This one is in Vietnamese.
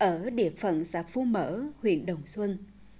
ở địa phận xã phú mở huyện đồng xuân